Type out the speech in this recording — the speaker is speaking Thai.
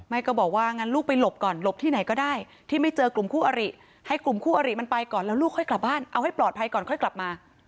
ก็บอกว่างั้นลูกไปหลบก่อนหลบที่ไหนก็ได้ที่ไม่เจอกลุ่มคู่อริให้กลุ่มคู่อริมันไปก่อนแล้วลูกค่อยกลับบ้านเอาให้ปลอดภัยก่อนค่อยกลับมา